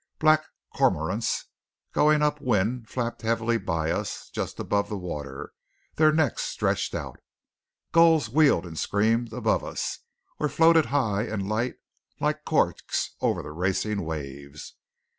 Black cormorants going upwind flapped heavily by us just above the water, their necks stretched out. Gulls wheeled and screamed above us, or floated high and light like corks over the racing waves.